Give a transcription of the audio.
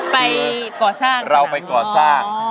ไปก่อสร้างสนามเหรออ๋อเราไปก่อสร้าง